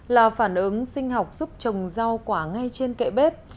là phản ứng sinh học giúp trồng rau quả ngay trên kệ bếp